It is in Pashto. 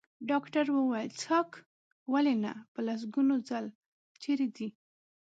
ډاکټر وویل: څښاک؟ ولې نه، په لسګونو ځل، چېرې دی؟